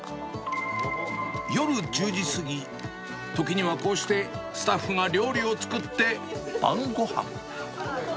夜１０時過ぎ、ときには、こうしてスタッフが料理を作って晩ごはん。